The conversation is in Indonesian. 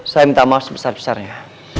saya minta maaf sebesar besarnya